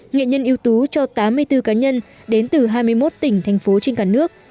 nghệ nhân yếu tố cho tám mươi bốn cá nhân đến từ hai mươi một tỉnh thành phố trên cả nước